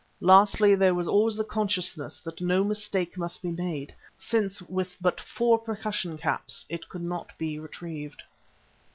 Lastly there was always the consciousness that no mistake must be made, since with but four percussion caps it could not be retrieved.